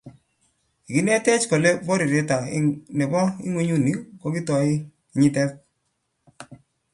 Kikinetech kole poryetab aeng nebo ingwenduni kokitoi kenyiitab